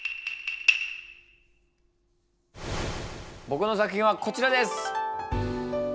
ぼくの作品はこちらです。